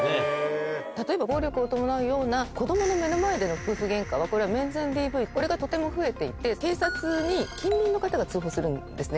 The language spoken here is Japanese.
例えば暴力を伴うような子供の目の前での夫婦ゲンカはこれは面前ＤＶこれがとても増えていて警察に近隣の方が通報するんですね。